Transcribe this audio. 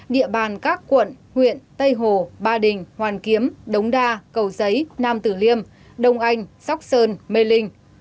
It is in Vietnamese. địa bàn các quận huyện tây hồ ba đình hoàn kiếm đống đa cầu giấy nam tử liêm đông anh sóc sơn mê linh